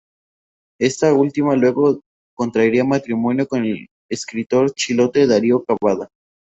Esta última luego contraería matrimonio con el escritor chilote Dario Cavada.